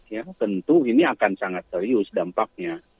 ya tentu ini akan sangat serius dampaknya